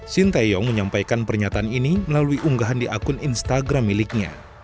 sintayong menyampaikan pernyataan ini melalui unggahan di akun instagram miliknya